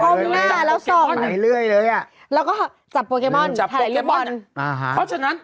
หน้าแล้วส่องไหนเรื่อยเลยอ่ะแล้วก็จับโปเกมอนจับโปเกมอนอ่าฮะเพราะฉะนั้น